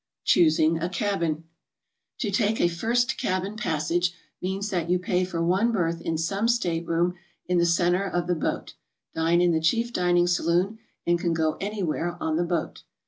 CHOOSING A CABIN. To take a first cabin passage means that you pay for one berth in some stateroom in the centre of the boat, dine in the chief dining saloon, and can go anywhere on the boat.